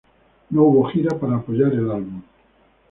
No hubo gira para apoyar el álbum.